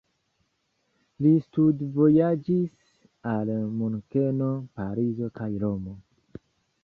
Li studvojaĝis al Munkeno, Parizo kaj Romo.